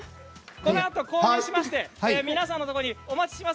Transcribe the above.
このあと購入しまして皆さんのところにお持ちします。